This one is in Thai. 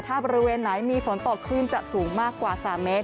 ถ้าบริเวณไหนมีฝนตกคลื่นจะสูงมากกว่า๓เมตร